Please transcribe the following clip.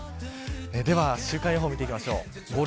では週間予報を見ていきましょう。